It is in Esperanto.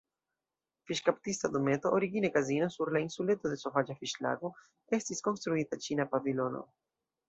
Fiŝkaptista Dometo, origine kazino; sur la insuleto de Sovaĝa Fiŝlago estis konstruita Ĉina Pavilono.